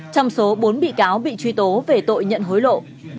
trong số bốn bị cáo bị truy tố về tội nhận hối lộ